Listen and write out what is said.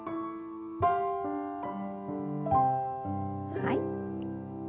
はい。